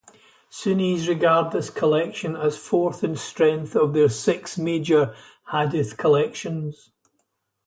Sunnis regard this collection as fourth in strength of their six major hadith collections.